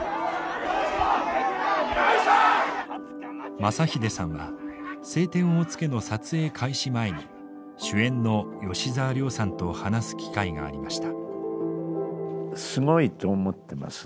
雅英さんは「青天を衝け」の撮影開始前に主演の吉沢亮さんと話す機会がありました。